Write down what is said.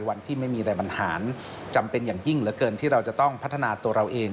วันที่ไม่มีอะไรบรรหารจำเป็นอย่างยิ่งเหลือเกินที่เราจะต้องพัฒนาตัวเราเอง